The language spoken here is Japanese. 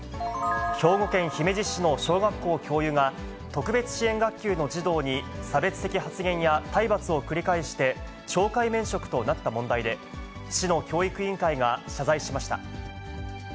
兵庫県姫路市の小学校教諭が、特別支援学級の児童に差別的発言や体罰を繰り返して懲戒免職となった問題で、市の教育委員会が謝罪しました。